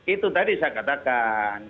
itu tadi saya katakan